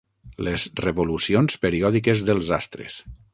Les revolucions periòdiques dels astres.